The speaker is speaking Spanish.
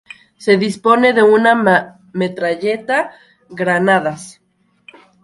Se dispone de una metralleta, granadas.